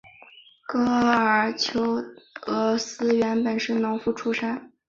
戈耳狄俄斯原本是农夫出身。